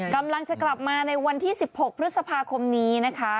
กำลังจะกลับมาในวันที่๑๖พฤษภาคมนี้นะคะ